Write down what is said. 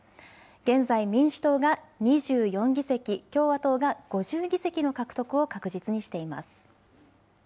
現在民主党が２４議席、共和党が５０議席の獲得を確実にしています。